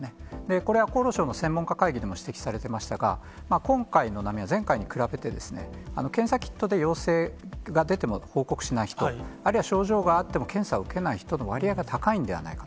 これは厚労省の専門家会議でも指摘されていましたが、今回の波は、前回に比べて、検査キットで陽性が出ても報告しない人、あるいは症状があっても検査を受けない人の割合が高いんではないかと。